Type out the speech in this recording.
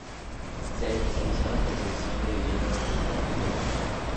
Se especializó en la construcción de viviendas unifamiliares.